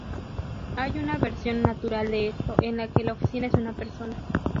Hay una versión natural de esto, en la que la oficina es una persona.